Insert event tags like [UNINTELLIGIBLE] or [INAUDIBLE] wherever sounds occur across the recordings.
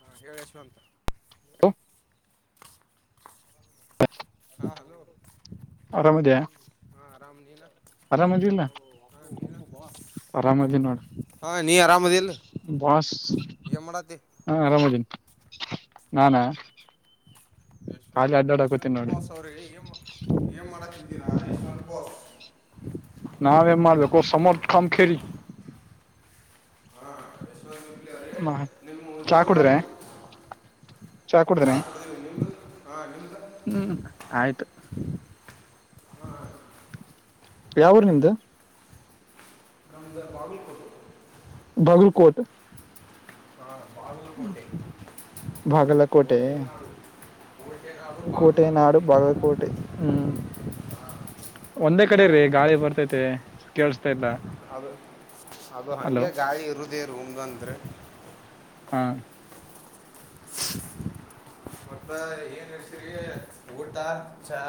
ಹಾ ಯ ಯಶುಂತ ಹ ಹಾ ಹಲೋ ಹ ರಾಮಜಿನ ಆರಾಮದಲ್ಲ ಆರಾಮದೀನ ನೋಡ ಹಾ ನೀ ಆರಾಮದಿಲ್ಲ ಬಾಸ್ ಏನ್ ಮಾಡತಿ ಹಾ ಆರಾಮದೀಿನಿ ನಾನಾ ಯಶವಂತ್ ಯಶವಂತ್ ಬೋಸ್ ಅವ್ರಿಗೆ ಏ ಏನ್ ಮಾಡಕ ಬಿನ ಅತಿರಾ ಯಶ್ವಂತ್ ಬಾಸ್ ನಾವೇ ಮಾಡಬೇಕ ಸಮರ್ಥಕಾಮಖರಿ ಹಾ ಯಶವಂತ್ ಬಿಪ್ಲಿ ಅವರೇ ಮ ನಿಮ್ಮ ಚಾ ಊರು ಕುಡ್ರೆ ಯಾವುದು ಚಾ ಕುಡಿದ್ರಿ ನಿಮ್ದು ಹಾ ನಿಮ್ದು ಹ್ಮ್ ಆಯ್ತು ಹಾ ಯಾವರು ನಿಮ್ದು ನಮ್ಧು ಬಾಗಲ್ಕೋಡು ಬಾಗಲ್ಕೋಟ್ ಹಾ ಬಾಗಲಕೋಟೆ ಬಾಗಲಕೋಟೆ ಕೋಟೆನಾಡು ಕೋಟೆನಾಡು ಕೋಟೆ ನಾಡು ಬಾಗಲಕೋಟೆ ಬಾಗಲಕೋಟೆ ಹ್ಮ್ ಹಾ ಒಂದೇ ನಿಮ್ದು ಕಡೆ ರೀ ಯಾವುದು ಗಾಳಿ ಬರ್ತೈತೆ ಕೇಳಸ್ತಾ ಇಲ್ಲ ಅದು ಅದು ಹಲೋ ಹಾಗೆ ಗಾಳಿ ಇರುದೇ ರೂಮ್ದಂದ್ರೆ ಹಾ ಮತ್ತ ಏನ್ ಹಳ್ತರಿ ಊಟ ಚಹ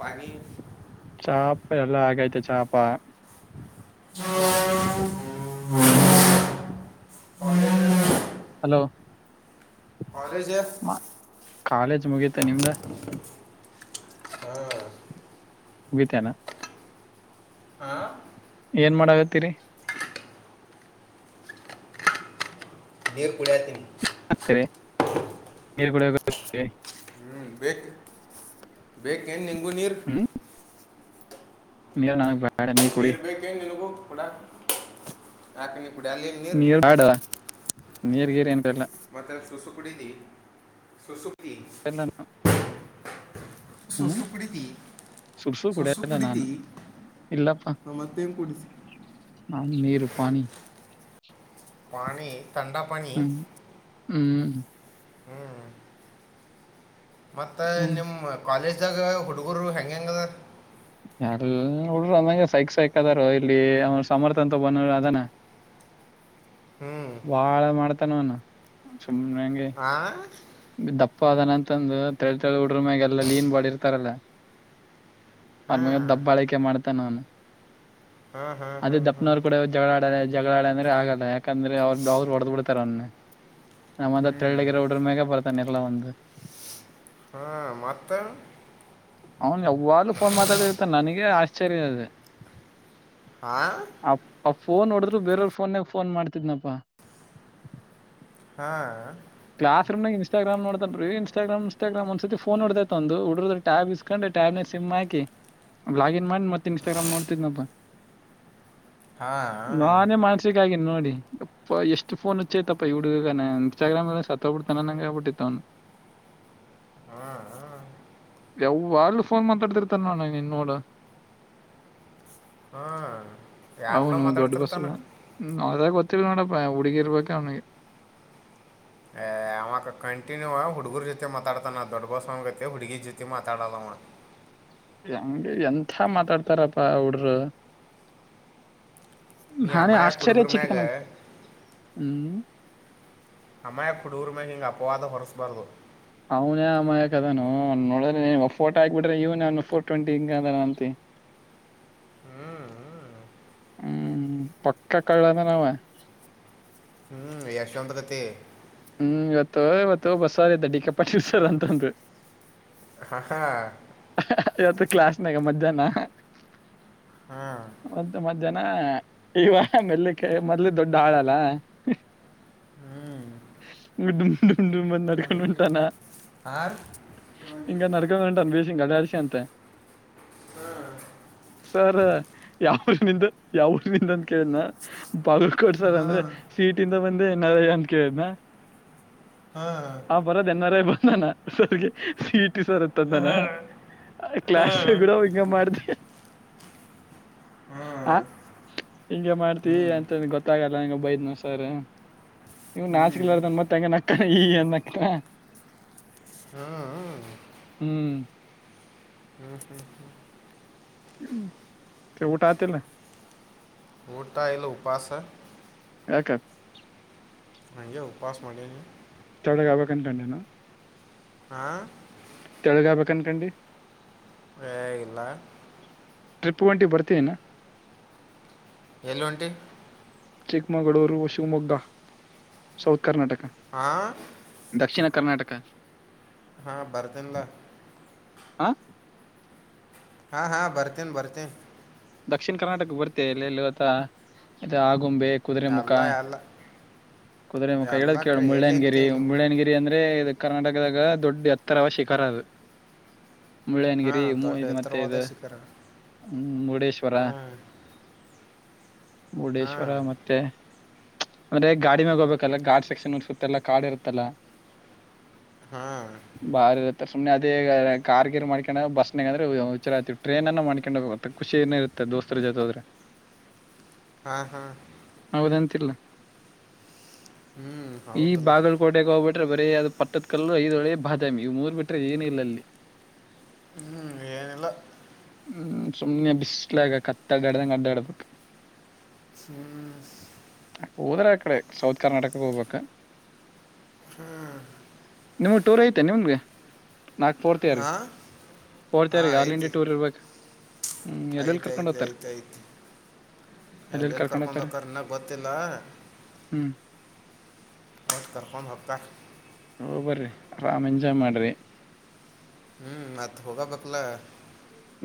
ಪಾನಿ ಚಾಪ ಎಲ್ಲ ಆಗೈತೆ ಚಾಪ ಒ [INAUDIBLE] ಹಲೋ ಆರೆಜ ಕಾಲೇಜ್ ಮುಗಿತ ನಿಮ್ದ ಹ್ಮ ಮುಗಿತೇನಾ ಹಾ ಏನ್ ಮಾಡಗತ್ತೀರಿ ನೀರ ಕುಡಿಯಕಹತ್ತೀನಿ ಹ ಸರಿ ನೀ ಕೂಡ ಬೇಕ ಏನ್ ನಿಂಗ ನೀರ್ ನೀವ ನನಗ್ ಬೇಡ ನೀ ಕುಡಿ ಬೇಕೇ ನಿನಗೂ ಕೂಡ ಯಾಕೆ ನಿ ಕುಡಿಯಾಲ ನೀರ್ ನೀರ್ ಗರ್ ಮತ್ತೆ ಸುಸು ಕುಡಿನಿ [UNINTELLIGIBLE] ಸುಸು [UNINTELLIGIBLE] ಎಲ್ಲ ಹ್ಮ್ ಸಸು ಕುಡಿ ಸುಡ್ಸು ಸೊಸು ಕುಡಿಯಲ್ಲ ಕುಡಿತಿ ನಾನು ಮತ್ತನ [UNINTELLIGIBLE] ಕುಡಿತಿ ನಾ ನೀರು ಪಾಣಿ ಪಾನಿ ಥಂಡಾ ಪಾನಿ ಹ್ಮ್ ಹ್ಮ್ ಹ್ಮ್ ಮತ್ತೆ ನಿಮ್ ಎಲ್ಲ ಕಾಲೇಜ್ ಹುಡುಗರು ಹೆಂಗೆ ಹೆಂಗದ ಯಾರ ನೋಡರು ಅಂದಗೆ ಸೈಕ್ ಸೈಕ್ ಅದಾರ ಇಲ್ಲಿ ಅವ ಸಮರ್ಥ ಅಂತ ಬಂದ ಅದಾನ ಹ್ಮ್ ಬಾಳ ಮಾಡ ತನವಣ ಹಾ ದಪ್ಪ ಅದನಂತಂದು ತೆಳ್ ತೆಳಿ ಉಡ್ರ ಮ್ಯಾಗ ಎಲ್ಲಾ ಲೀನ್ ಬಾಳ ಇರ್ತಾರಲ್ಲ ಆರಮೇ ಹಾ ದಬ್ಬಾಳಕೆ ಮಾಡ್ತ ನಾನು ಹಾ ಹಾ ಹಾ ಅದೇ ದಪ್ಪನವ್ರು ಕೂಡ ಜಗಳ ಆಡಾರೆ ಜಗಳಾಳ ಅಂದ್ರೆ ಆಗಲ್ಲ ಯಾಕಂದ್ರೆ ಅವ್ರ ಬ ಅವ್ರು ಹೊಡ್ ಬಿಡ್ತಾರ ಅವನ್ನ ನಮ್ಮಂದ ತೆಳ್ಳಗರ ಹಡ್ರ ಮೇಗ ಬರ್ತ್ತದೆ ನೆರಲ ಒಂದ ಹ ಮತ್ತೆ ಅವನ್ ಅವ್ವಾಗಲುೂ ಫೋನ್ ಮಾತಾಡಿರ್ತ ನನಗ ಆಶ್ಚರ್ಯ ಇದೆ ಹಾ ಆ ಫೋನ್ ನೋಡದ್ರು ಬೇರೆಯವ್ರ ಫೋನಮಾಡ್ತಿ ದ್ದ ಫೋನ್ ಮಾಡ್ತಿದ್ನಪ್ಪಾ ಹಾಂ ಕ್ಲಾಸ್ ರೂಮ್ಾಗ ಇನ್ಟ್ರಾಮ್ ನೋತಲ್ರೀ ಇನ್ಸ್ಟಾಗ್ರಾಮ್ ಇಸ್ಟಾಗ್ರಾಮ್ ಒಂದಸ ಸತಿ ಫೋನ್ ಹೊಡತೈತ ಒಂದು ಉುಡ್ರ ಟ್ಯಾಬ್ ಇಸ್ಕೊಂಡು ಟ್ಯಾಬ್ನ ಸಿಮ್ ಹಾಕಿ ಬ್ಲಾಗಿನ್ ಮಾಡಿ ಮತ್ತ ಇನ್ಸ್ಟಾಗ್ರಾಮ್ ನೋಡ್ತಿದ್ನ ನಪ್ಪ ಹಾ ಮಾಡನ್ಸಕ್ ಆಗ ನೋಡಿ ಎಷ್ಟು ಫೋನ್ ಹಚ್ಚೈತಪ್ಪ ಹುಡುಗ ಇನ್ಸ್ಟಾಗ್ರಾಮ್ ಸತ್ತ ಹೋಗ್ಬಿಡ್ತಾನ ನಂಗಗೆ ಹಬಿಟ್ಟತ್ತ ಹಾ ಯಾವಾಗ್ಲೂ ಫೋನ್ ಮಾತಾಡ್ತಿರ್ತಾನ ಇನ್ನೋಡ ಹಾ ಯಾರ ಕೂಡ ಹೌನು ದೊಡ್ಡ ಬಸವ ಮಾತಾಡ್ತಿರ್ತಾನ ಹದ ಗ ಎ ನ ಡಿಕರಬೇಕಕ್ಕಣ ಮಾಕ ಕಂಿನ್ಯೂ ಆ ಹುಡುಗರು ಜೊತೆ ಮಾತಾಡ್ತಾನ ನ ದೊಡ್ಡಗೋ ಸ್ವಾಮಿಗೆ ಜೊತೆ ಹುಡುಗಿ ಜೊತೆ ಮಾತಾಡಲ್ಲಮ್ಮ ಹೆಂಗೆ ಎಂಥ ಮಾತಾಡ್ತಾರಪ್ಪಾ ಅವಡರು ನೀ ಅಮ್ಮಾಯಾ ಕೊಡುಕರಮಾಗ ಹ್ಮ್ ಅಮ್ಮಾಯ ಕುಡೂರ್ ಮ್ಯಾಗ ಹಿಂಗೆ ಅಪವಾದ ಹೊರಸ್ಬಾರ್ದು ಅವನಮ್ಮ ಯಾಕದಾನ ನೋಡ್ರ ಫೋಟೋ ಹಾಕ್ಬಿಡ್ರೆ ಇವನ ಫೋ ಟ್ಂಟಿ ಹಿಂಗ ಅದಾನ ಅಂತ ಹ್ಞೂ ಹ್ಮ್ ಪಕ್ಕ ಕಳ್ಳನ ನಾವ ಹ್ಮ್ ಎಷ್ಟಲಟದತ್ತ ಹ್ಮ್ ಇವತ್ತು ಇವತ್ತು ಬಸ್ಸವಾರ್ದ ಡಿಿಕಪಟ್ಟಿರ್ಸಾರ ಅಂತಂದರು ಹಾ ಹಾ ಕ್ಲಸ್ ನಗೆ ಮಧ್ಯಾಹ್ನ ಹ್ಮ ನ ಈವ ಮೆಲ್ಲಿಕ್ಕೆ ಮೊದ್ಲು ದೊಡ್ಡ ಹಾಳಲ್ಲ ಹ್ಞೂ ಗುಡ್ಡು ಮುಡ್ಡು ಉಡು ಬಂದು ನಡ್ಕೊಂಡು ಉಟಾನ ಹಾಂ ಇಂಗ ನಡಕಂಡು ಒಂಟನ ಬಿ ಇಂಗ ಆದರ್ಶ ಅಂತ ಸರ್ ಯಾವರ್ ನಿಂದು ಯಾವರ್ ನಿಂದು ಅಂತ ಕೇಳಿದ್ನ ಬಾಗುಲುಕೋಟೆ ಸರ್ ಅಂದ್ರೆ ಹಾಂ ಸೀಟಂದ ಬಂದೆ ಏನರ ಅಂತ ಕೆಳಿದ್ನ ಹಾಂ ಅವ ಬರದು ಎನ್ನಾರ ಬಂದಾನ ಸರ್ ಗೆ ಸಿ ಹಿ ಟಿ ಸರ್ಂದಾನ ಕ್ಲಸ್ ಕೂಡ ಹಿಂಗ ಮಾಡತಿ ಹಾಂ ಹ ಹಿಂಗ ಮಾಡ್ತಿ ಹ್ಞೂ ಅಂತ ಗೊತ್ತಾಗಲ್ಲಂಗ ಬೈದ್ನ ಸರ್ ಇವ ಹ್ಞೂ ನಾಚಿಕಲರ್ದನ್ ಮತ್ತ ನಕ್ಕು ಈ ಈ ಅಕ್ಕ ಈ ಅನ್ಕ್ಕ ಹಾಂ ಹ್ಮ್ ಕೆವು ಊಟ ಆತ ಇಲ್ಲ ಊಟ ಇಲ್ಲ ಊಪಾಸ ಯಾಕ ನಗೆ ಉಪವಾಸ ಮಾಡಿನಿ ತೆಳುಗೆ ಅಗ್ಬೊಕ್ ಅನ್ ಕೋಡೆನೋ ಹಾ ತೆಳಗೆ ಆಬೇಕ ಅನ್ಕೊಂಡಿ ಹೇ ಇಲ್ಲ ಟ್ರಿಪ್ ಹೋಂಟಿವಿ ಬರ್ತೀನಾ ಎಲೋ ಒಂಟಿ ಚಿಕ್ಮಗಳೂರು ಶಿವಮೊಗ್ಗ ಸೌತ್ ಕರ್ನಾಟಕ ಹಾಂ ದಕ್ಷಿಣ ಕರ್ನಾಟಕ ಹಾ ಬರ್ದನ್ಲ ಹಾ ಹಾ ಹಾ ಬರ್ತೇನ್ ಬರ್ತೇನ್ ದಕ್ಷಿಣ ಕರ್ನಾಟಕ ಬರ್ತ ಇಲ್ಲ ಇಲ್ಲಿ ಗತ್ತ ಇ ಆಗುಂಬೆ ಕುದುರೆ ಮುಖ ಎಲ್ಲ ಎಲ್ಲ ಕುದುರೆ ಮುಖ ಎಲ್ಲ ಹೇಳದ ಕೇಳ ಕಡೆ ಎಲ್ಲಿ ಅಂತ ಮುಳ್ಳ್ಯನಗಿರಿ ಎಲ್ಲಿ ಹ್ಞೂ ಮುಳ್ಳ್ಯನಗಿರಿ ಅಂದ್ರೆ ಇದ ಕರ್ನಾಟಕದಾಗ ದೊಡ್ಡ ಎತ್ತರವ ಶಿಖರ ಅದು ಮುಳ್ಳಯನಗಿರಿ ಹಾಂ ಮೂ ದೊಡ್ಡ ಇದು ಮತ್ತೆ ಎತ್ತರವಾದ ಇದು ಹ್ಮ ಮುಡೇಶ್ ಆ ಮುರುಡೇಶ್ವರ ಮತ್ತೆ ಅಂದ್ರೆ ಗಾಡಿ ಮ್ಯಾಗ ಹೋಗ್ಬೇಕಲ್ಲ ಗಾಡ ಸೆಕ್ಷನ್ ದಕತಲ್ಲ ಕಾಡ್ ಇರುತ್ತಲ್ಲಾ ಹಾ ಸುಮ್ಮನೆದೇಗ ಕಾರ್ ಗೀರ್ ಮಾಡ್ಕೊಂಡ ಬಸ್ನಾಗಂದ್ರೆ ಹುಚ್ಚುರ್ ಆಗ್ತಿವಿ ಟ್ರೈನ ಅನ್ನು ಮಾಡ್ಕೊಂಡ ಹೋಗ ಖುಷಿ ಇ ದೋಸ್ರ ಜೊತೆ ಹೋದ್ರೆ ಹಾಂ ಹಾಂ ಹೌದ ಅಂತಿಲ್ಲ ಹ್ಞೂ ಈ ಹೌದಲ್ಲ ಬಾಗಲಕೋಟೆೆಗೆ ಹೋಗ್ಬಿಟ್ರೆ ಬರ ಒ ಅ ಪಟದ ಕಲ್ಲು ಐದ ಒಳೆ ಬಾದಾಮಿ ಇ ಮೂರ್ ಬಿಟ್ರೆ ಏನು ಇಲ್ಲ ಅಲ್ಲಿ ಹ್ಮ್ ಏನಲ್ಲ ಹ್ಮ ಸುಮ್ನೆ ಬಿಸ್ ಕತ್ಲ್ಯಾಗ ಕತ್ತೆ ಅಡ್ಯಾಡಿದಂಗ ಅಡ್ಯಾಡದು ಹ್ಮ್ ಹೋದ್ರೆ ಆ ಕಡೆ ಸೌತ್ ಕರ್ನಾಟಕಕ್ಕೆ ಹೋಗ್ಬೇಕ ಹ್ಮ್ ನಿಮಗ್ ಟೂರ್ ಐತೆೇನ್ ನಿಮ್ಗೆ ನಾಕು ಫೋರ್ತ್ ರೀ ಹಾಂ ಫೋರ್ತ್ ಹಾಂ ರೀ ಆಲ್ ಇಂಡಿಯಾ ಐತಿ ಟೂರ್ ಇರ್ಬೇಕು ಹ ಎಲ್ಲಿ ಆಯ್ತ್ ಆಯ್ತ್ ಆಯ್ತ್ ಎಲ್ಲೆಲ್ ಕರ್ಕೊಂಡ್ ಹೋಗ್ತಾರ ಇನ್ನ ಗೊತ್ತಿಲ್ಲ ಹ್ಮ್ ಒಟ್ ಕರ್ಕೊಂಡ್ ಹೋಗ್ತಾರ ಹೋಗ್ ಬರ್ರಿ ಆರಾಮ್ ಎಂಜಾಯ್ ಮಾಡ್ರಿ ಹ್ಮ್ ಮತ್ ಹೋಗಬೇಕಲ್ಲ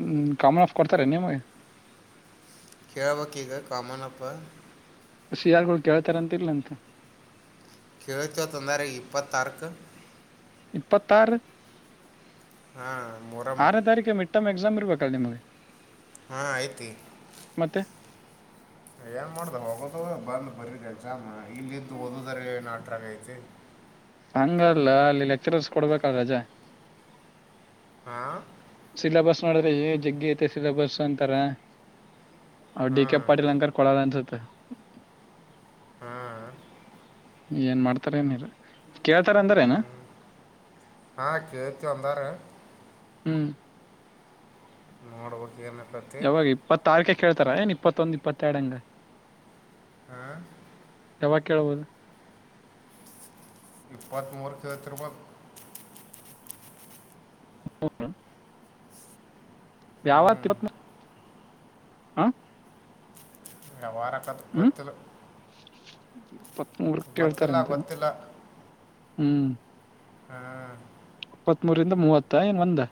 ಹ್ಮ ಕಾಮನಾಫ್ ಕೊಡ್ತಾರೇನ್ ನಿಮಗೆ ಕೇಳಬೇಕ್ ಈಗ ಕಾಮನಾಫ್ ಸಿ ಆರ್ ಗಳ್ ಕೇಳ್ತಾರಂತ ಇಲ್ಲ್ ಅನ್ಕ ಕೇಳ್ತೀವಿ ಅಂತ ಅಂದಾರ ಇಪ್ಪತ್ತಾರಕ್ಕ್ ಇಪ್ಪತ್ತಾರು ಹಾಂ ಮೊರಮ್ ಆರನೇ ತಾರೀಕ ಮಿಡ್ ಟರ್ಮ್ ಎಕ್ಸಾಮ್ ಇರಬೇಕಲ್ಲ ನಿಮಗ ಹಾ ಐತಿ ಏನ್ ಮಾಡ್ದ ಹೋಗದು ಬಂದು ಬರಿ ಎಕ್ಸಾಮ ಇಲ್ಲ್ ಇದ್ದು ಓದುದರ ಏನ್ ಆಟ್ರಾಗ ಐತಿ ಹಂಗಲ್ಲ ಅಲ್ಲಿ ಲೆಕ್ಚರರ್ಸ್ ಕೊಡ್ಬೇಕಲ್ ರಜಾ ಹಾ ಸಿಲೆಬಸ್ ನೋಡುದ್ರೆ ಜಗ್ಗಿ ಐತೆ ಸಿಲಬಸ್ ಅಂತಾರ ಅವ ಡಿ ಕೆ ಹಾಂ ಪಾಟೀಲ್ ಹಂಗಾರ ಕೊಡಲ್ಲ ಅನ್ಸುತ್ತ ಹಾಂ ಏನ್ ಮಾಡ್ತಾರ ಏನರ ಕೇಳ್ತಾರ ಅಂದಾರ ಏನ ಹಾ ಕೇಳ್ತಿವಿ ಅಂದಾರ ಹ್ಮ್ [UNINTELLIGIBLE] ಯಾವಾಗ ಇಪ್ಪತ್ತಾರಕ್ಕೆ ಕೇಳ್ ತರ ಏನ್ ಇಪ್ಪತ್ತೊಂದು ಇಪ್ಪತ್ತೆರಡಂಗ ಹಾ ಯಾವಾಗ ಕೇಳ್ಬೋದು. ಇಪ್ಪತ್ಮೂರಕ್ಕ್ ಕೇಳ್ತಿರ್ಬೇಕ್ [UNINTELLIGIBLE] ಹ್ಞೂ [UNINTELLIGIBLE] ಹಾ ಯಾವಾರ ಕತ್ ಕೊತ್ತಿಲ. ಮುಚ್ಚಿಡ ಇಪ್ಪತ್ತ್ಮೂರಕ್ಕ್ ಕೇಳ್ತಾರ್ ಅಂತೀರಾ ಹ್ಮ್. ಹಾ ಇಪ್ಪತ್ತ್ಮೂರಿಂದ ಮೂವತ್ತ ಏನ್ ಒಂದ್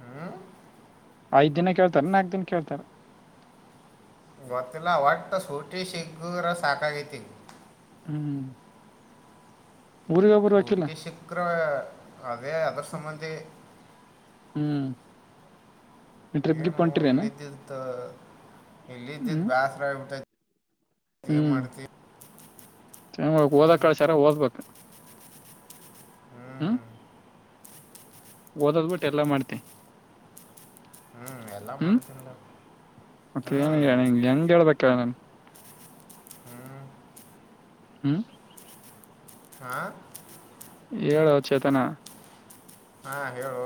ಹ್ಮ್ ಐದ್ ದಿನ ಕೇಳ್ತಾರ ನಾಕ್ ದಿನ ಕೇಳ್ತಾರ. ಗೊತ್ತಿಲ್ಲ ಒಟ್ಟ ಸೂಟಿ ಸಿಕ್ಕುದ್ರ ಸಾಕಾಗೈತಿ. ಹ್ಮ್ ಗುರಿಗ. ಟಿ ಶಿಕ್ರ ಅದೇ ಅದರ ಸಂಬಂಧಿ. ಹ್ಮ. ಇಲ್ಲ್ದತ್ ಇಲ್ಲ ಇದ್ದಿದ್ದ ಹ್ಮ್ ಬ್ಯಾಸ್ರಬಟ್ಟೈ. ಏ ಮಾಡ್ತಿ. ಚ ಹ್ಞೂ ಓದಕ್ಕಳಸರ ಓದ್ಬೇಕ ಹ್ಞೂ ಹ್ಮ್. ಓದದ್ ಬಿಟ್ಟು ಎಲ್ಲಾ ಮಾಡ್ತೆ. ಹ್ಞೂ ಎಲ್ಲ ಮಾಡತನ. ಮತ್ತ ಏನು ಹೇಳ ಹೆಂಗಗೆ ಹೇಳ್ಬೇಕಲ್ಲ ನಾನು. ಹ್ಞೂ ಹ್ಮ್. ಹಾಂ ಏಳೋಚೇತನ. ಹಾಂ ಹೇಳು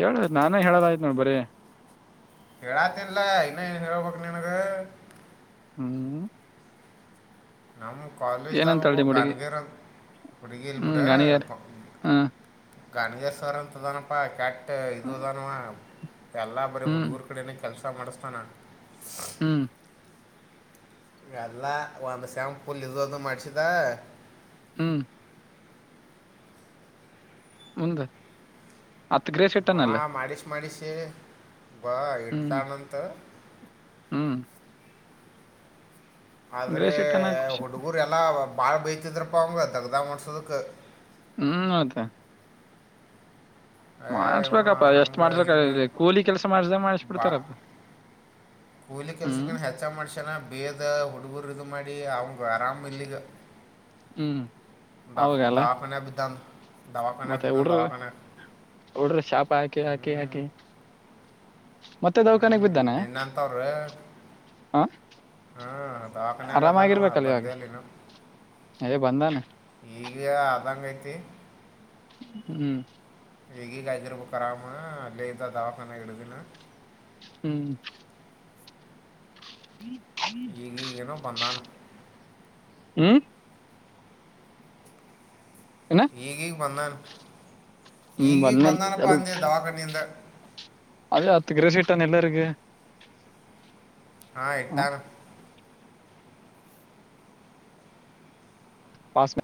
ಹೇಳ ನಾನೇ ಹೇಳದಾಯಯ್ತ್ ನೋಡ ಬರೀ. ರಾತನ್ಲ್ಲ ಇನ್ನ ನು ಹೇಳ್ಬೇಕು ನಿನಗೆ. ಹ್ಮ್. ಪದಲ ಏನಂತಾಳ ಇಸಾಗಪ್ಪ ನಿಮ್ ಹುಡುಗಿ ಗನಗೀರ ಹುಡಿಗಲಿಪುಡ. ಹ್ಮ್ ಗಾಣಿಗ್ಯಾರ್ ಹ ಗನಜೇಶ್ವರ ಅಂತ ತನಪ ಕ್ಯಾಟ್. ಬ ಇದುದಾನವಾ. ಎಲ್ಲ ಬರೀ ಹ್ಮ್ ಹುಡುಗರು ಕಡನೇ ಕೆಲಸ ಮಾಡಿಸ್ತಾನೆ. ಹ್ಮ್. ಎಲ್ಲಾ ಒಂದು ಸಾಂಪುಲ್ ಇದು ಅದ ಮಾಡಡಚಿದಾ. ಹ್ಮ್. ಮುಂದ ಹತ್ತು ಗ್ರೇ ಸೆಟ್ಟ. ಹಾಂ ಮಾಡಿಸಿ ಮಾಡಿಸಿ ಬ ಇಡ್ತ ಹ್ಮ್ ನಂತ. ಹ್ಮ್. ಆದ್ರೆ ಗ್ರೇಸಿಟ್ಟನ ಖುಷಿ ಹುಡುಗುರೆ ಎಲ್ಲ. ಭಾಳ ಬೈಯತಿದ್ರಪ್ಪ ಅವ್ರ ತಗ್ದಾಗ್ ಮಾಡ್ಸೋದಕ್ಕೆ ಹ್ಮ್ ಹೌದಾ ಯ ಇವ ಎಷ್ಟ್ ಹಂಗ ಮಾಡ್ಸ್ಬೇಕ ಹಿಂಗ ಇಲ್ಲಿ ಕೂಲಿ ಕೆಲ್ಸ ಮಾಡ್ಸ್ದಂಗ ಬಾ ಮಾಡಿಸ್ಬಿಡ್ತಾರಪ್ಪ ಕೂಲಿ ಹ್ಮ್ ಕೆಲ್ಸಕ್ಕನ ಹೆಚ್ಚ ಮಾಡಸ್ಯನ ಬೇದ ಹುಡುಗುರು ಇದು ಮಾಡಿ ಅ ಅವಂಗ ಆರಾಮ್ ಇಲ್ಲಿಗ ಹ್ಞೂ ದಾ ದಾಪನ ಬಿ ಮತ್ತೆ ಹಡ್ರ ಹಡ್ರ ಶಾಪ ಹಾಕಿ ಹಾಕಿ ಹ್ಞೂ ಹಾಕಿ ಮತ್ತೆದಾವ ಹ್ಮ ನಿನ್ನಂತವ್ರ ಹ ಹ್ಮ ದವಾಕನ್ಾಗ ಅದಾನ ಆರಾಮಾಗಿರ್ಬೇಕಲ್ಲ ಇವಾಗ ಬಂದೇಲ್ಲಿನು ಏ ಬಂದಾನ ಈಗ ಆದಂಗ ಮತ್ತೆ ಹ್ಮ್ ಈಗೀಗ್ದಿರ್ಬೇಕುರಾಮ ಅಲ್ಲೇ ಇದ್ದ ದವಾಖಾನ ಹಿಡಿದಿನ ಹ್ಮ್ ಹ್ಮ್ ಈಗ ಈಗ್ ಏನೋ ಬಂದಾನ ಹ್ಮ ಏನ ಈಗ್ ಈಗ್ ಬಂದಾನ ಹ್ಮ್ ಈಗ್ ಈಗ್ ಬಂದನ್ ಬಂದಾನಪ್ಪ ಅಂದೆ ದವಾಖಾನೆಯಿಂದ ಅದೇ ಹತ್ ಗ್ರಸ್ ಇಟ್ಟಾನ ಎಲ್ಲರಿಗ ಹಾ ಹ ಎತಾನ ಪಸ್ಟ್ರ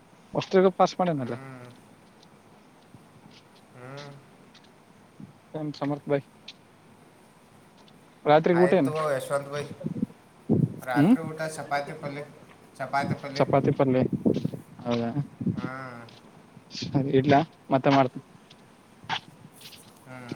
ಪಸ್ ಮಣನ್ನಲ್ಲೇ ಹ್ಮ್ ಹ್ಮ್ ಕ ಸಮರ್ಥ ಭಾಯ ಆಯ್ತು ಯಶವತ್ ಭೈಿ ಹ್ಮ್ ರಾತ್ರಿ ಊಟ ಚಪಾತಿ ಪಲಿ ಚಪಾತಿ ಪಲಿ ಚಪಾತಿ ಪಲ್ಯ ಹೌದಾ ಅದ ಇಡ್ಲ್ಲ ಮತ್ತೆ ಮಾಡ್ತ ಹ್ಮ್